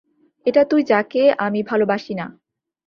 এটা তুই যাকে আমি ভালোবাসি না।